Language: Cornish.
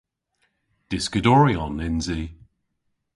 Dyskadoryon yns i.